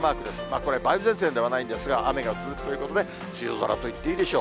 これ、梅雨前線ではないんですが、雨が降るということで、梅雨空と言っていいでしょう。